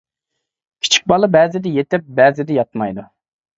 كىچىك بالا بەزىدە يېتىپ، بەزىدە ياتمايدۇ.